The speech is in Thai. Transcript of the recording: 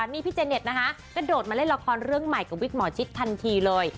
นี่พี่เจเน็ตนะคะกระโดดมาเล่นละครเรื่องใหม่กับวิกหมอชิดทันทีเลย